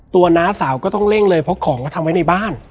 น้าสาวก็ต้องเร่งเลยเพราะของก็ทำไว้ในบ้าน